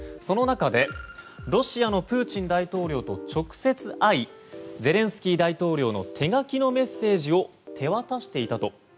その中で、ロシアのプーチン大統領と直接会いゼレンスキー大統領の手書きのメッセージを手渡していたと。